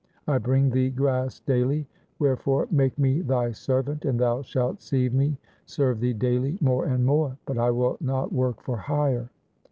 1 I bring thee grass daily ; wherefore make me thy servant and thou shalt see me serve thee daily more and more, but I will not work for hire.